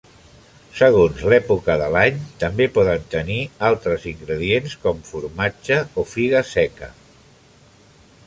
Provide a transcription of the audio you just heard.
Segons l'època de l'any, també poden tenir altres ingredients com formatge o figa seca.